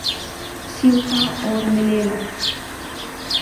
Ceuta اور Melilla